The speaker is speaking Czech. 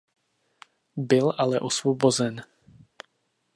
Byl ale osvobozen.